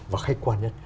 và khách quan nhất